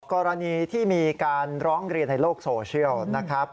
กรณีที่มีการร้องเรียนในโลกโซเชียลนะครับ